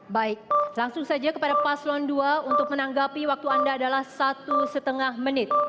baik langsung saja kepada paslon dua untuk menanggapi waktu anda adalah satu setengah menit